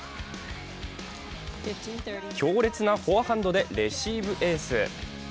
強烈なフォアハンドでレシーブエース。